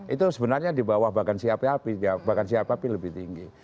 itu sebenarnya di bawah bahkan si api api bahkan si api api lebih tinggi